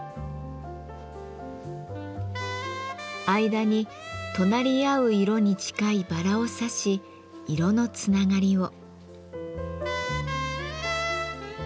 間に隣り合う色に近いバラを挿し色のつながりを。